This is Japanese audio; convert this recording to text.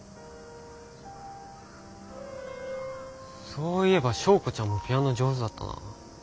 そういえば昭子ちゃんもピアノ上手だったなあ。